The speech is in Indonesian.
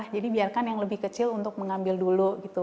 jadi biarkan yang lebih kecil untuk mengambil dulu